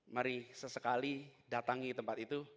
mari sesekali datangi tempat itu